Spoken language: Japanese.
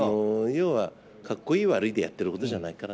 要は、かっこいい、悪いでやってることじゃないから。